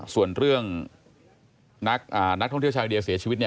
ส่วนเรื่องนักท่องเที่ยวชาวอินเดียเสียชีวิตเนี่ย